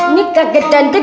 ini kagetan deh